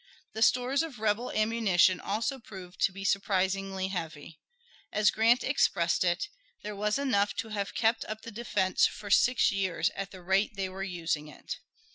The stores of rebel ammunition also proved to be surprisingly heavy. As Grant expressed it, there was enough to have kept up the defense for six years at the rate they were using it.